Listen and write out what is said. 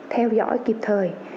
theo dõi kịp thời